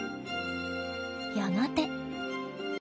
やがて。